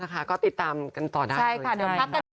ค่ะก็ติดตามกันต่อได้เลย